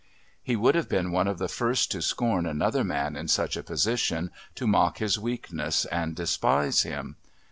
He would have been one of the first to scorn another man in such a position, to mock his weakness and despise him.